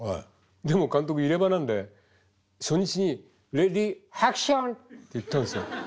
でも監督入れ歯なんで初日に「レディーハクション」って言ったんですよ。